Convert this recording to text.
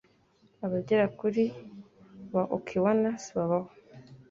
Abagera kuri % ba Okinawans babaho